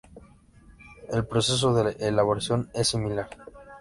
El proceso de elaboración es similar.